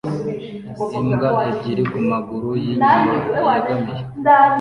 Imbwa ebyiri kumaguru yinyuma yegamiye